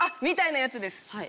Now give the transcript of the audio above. みたいなやつです。